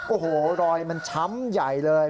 โอ้โหรอยมันช้ำใหญ่เลย